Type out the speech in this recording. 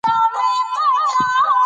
باران د افغانستان د اقلیم ځانګړتیا ده.